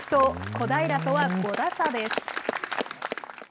小平とは５打差です。